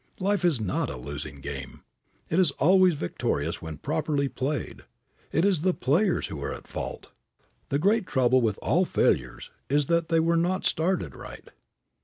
Life is not a losing game. It is always victorious when properly played. It is the players who are at fault. The great trouble with all failures is that they were not started right.